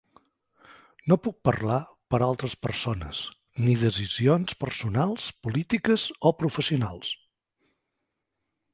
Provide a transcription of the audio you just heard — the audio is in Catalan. No puc parlar per altres persones ni decisions personals, polítiques o professionals.